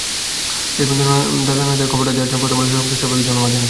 শেষ পর্যন্ত দাদা-নানাদের খবরটা দেওয়ার জন্য প্রথম আলোসহ সংশ্লিষ্ট সবাইকে ধন্যবাদ জানাচ্ছি।